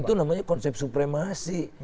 itu namanya konsep supremasi